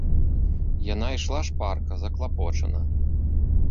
Яна ішла шпарка, заклапочана.